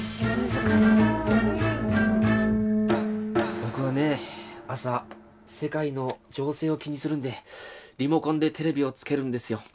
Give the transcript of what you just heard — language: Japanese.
僕はねえ朝世界の情勢を気にするんでリモコンでテレビをつけるんですよ。